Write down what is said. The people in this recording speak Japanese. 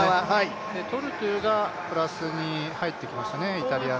トルトゥがプラスに入ってきましたね、イタリアの。